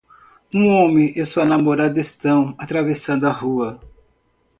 Um homem e sua namorada estão atravessando a rua.